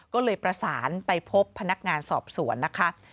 ก็เลยประสานไปพบพนักงานสอบสวนนะคะ